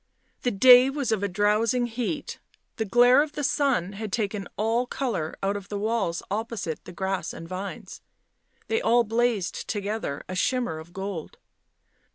The day was of a drowsing heat ; the glare of the sun had taken all colour out of the walls opposite, the grass and vines ; they all blazed together, a shimmer of gold.